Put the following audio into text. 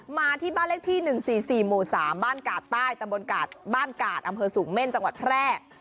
มาที่บ้านเลขที่๑๔๔หมู่๓บ้านกาดใต้ตำบลกาดบ้านกาดอำเภอสูงเม่นจังหวัดแพร่